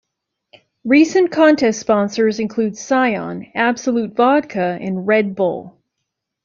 Recent contest sponsors include Scion, Absolut Vodka, and Red Bull.